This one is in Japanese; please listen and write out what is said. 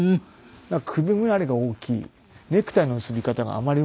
首回りが大きいネクタイの結び方があまりうまくない。